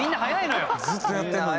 ずっとやってるのに。